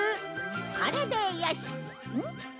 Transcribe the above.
これでよし。